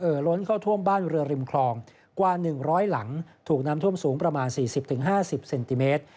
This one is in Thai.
ล้นเข้าท่วมบ้านเรือริมคลองกว่า๑๐๐หลังถูกน้ำท่วมสูงประมาณ๔๐๕๐เซนติเมตร